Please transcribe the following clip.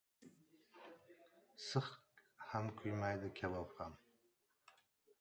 • Six ham kuymadi, kabob ham.